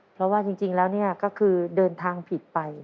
เพราะว่าจริงแล้วก็คือเดินทางผิดไป